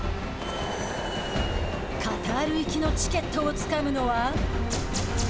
カタール行きのチケットをつかむのは。